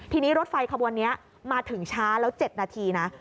ทีนี้รถไฟขบวนนี้มาถึงช้าแล้ว๗นาทีนะ